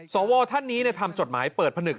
สวท่านนี้ทำจดหมายเปิดผนึก